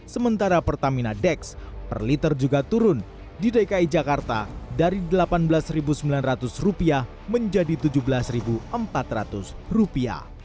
sementara pertamina dex per liter juga turun di dki jakarta dari rp delapan belas sembilan ratus menjadi rp tujuh belas empat ratus